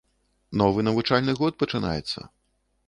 Новы навучальны год пачынаецца.